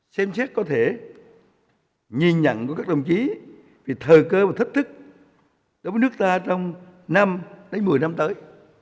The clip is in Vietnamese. sẽ có thể nhìn nhận của các đồng chí về thờ cơ và thách thức đối với nước ta trong năm tới mười năm tới